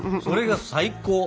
それが最高。